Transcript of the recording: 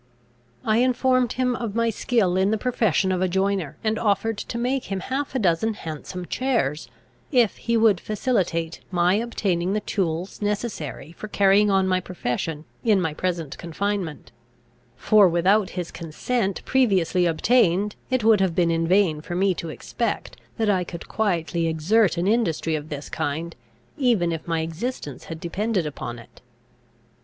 I informed him of my skill in the profession of a joiner, and offered to make him half a dozen handsome chairs, if he would facilitate my obtaining the tools necessary for carrying on my profession in my present confinement; for, without his consent previously obtained, it would have been in vain for me to expect that I could quietly exert an industry of this kind, even if my existence had depended upon it.